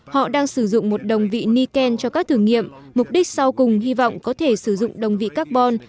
họ đang sử dụng một đồng vị niken cho các thử nghiệm mục đích sau cùng hy vọng có thể sử dụng đồng vị carbon